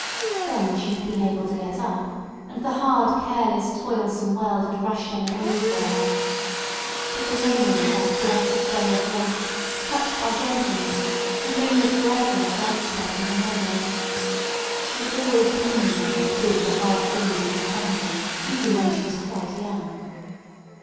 Then she had been able to get up; and the hard, careless, toilsome world had rushed on again for her. But the memory of that blessed day of rest, touched by gentleness, had lingered forever a bright spot in her memory. She had always been the one that did the hard things in her family, even when she was quite young.